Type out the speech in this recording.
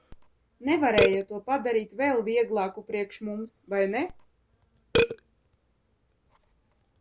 Nevarēja to padarīt vēl vieglāku priekš mums, vai ne?